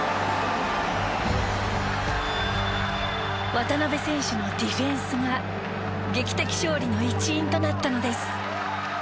渡邊選手のディフェンスが劇的勝利の一因となったのです。